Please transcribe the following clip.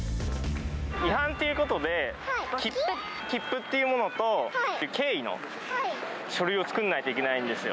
違反ということで、切符というものと経緯の書類を作らないといけないんですよ。